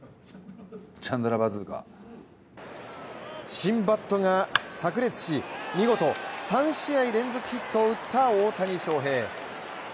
新バットがさく裂し、見事３試合連続ヒットを打った大谷翔平